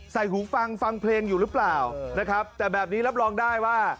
หูฟังฟังเพลงอยู่หรือเปล่านะครับแต่แบบนี้รับรองได้ว่า